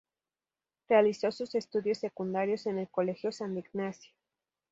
Realizó sus estudios secundarios en el Colegio San Ignacio.